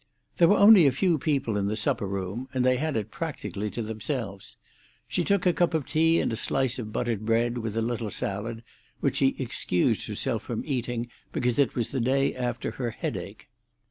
There were only a few people in the supper room, and they had it practically to themselves. She took a cup of tea and a slice of buttered bread, with a little salad, which she excused herself from eating because it was the day after her headache.